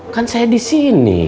kan saya di sini